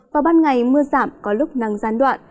vào ban ngày mưa giảm có lúc nắng gián đoạn